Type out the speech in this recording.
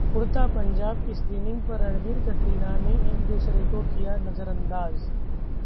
'उड़ता पंजाब' की स्क्रीनिंग पर रणबीर-कटरीना ने एक दूसरे को किया नजरअंदाज